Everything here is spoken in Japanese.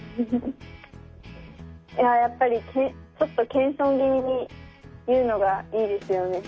いややっぱりちょっと謙遜気味に言うのがいいですよね。